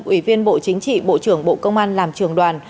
ủy viên bộ chính trị bộ trưởng bộ công an làm trường đoàn